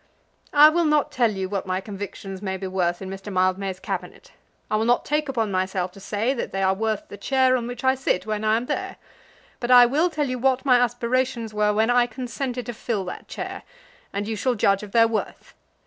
"I will not tell you what my convictions may be worth in Mr. Mildmay's Cabinet. I will not take upon myself to say that they are worth the chair on which I sit when I am there. But I will tell you what my aspirations were when I consented to fill that chair, and you shall judge of their worth.